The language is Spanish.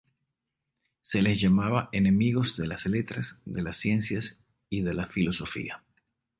Se les llamaba enemigos de las letras, de las ciencias y de la filosofía.